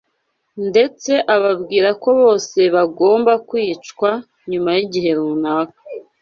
ndetse ababwira ko bose bagomba kwicwa nyuma y’igihe runaka